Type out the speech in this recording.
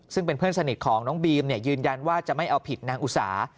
ซึ่งเป็นเพื่อนสนิทของน้องบีมยืนยันว่าจะไม่เอาผิดนางอุสา